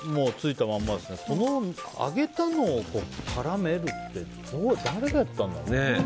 この揚げたのを絡めるって誰がやったんだろうね。